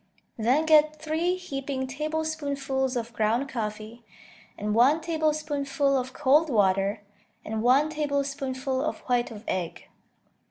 Then get three heaping tablespoonfuls of ground coffee, and one tablespoonful of cold water, and one tablespoonful of white of egg.